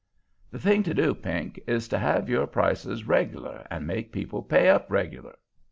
"The thing to do, Pink, is to have your prices reg'lar, and make people pay up reg'lar.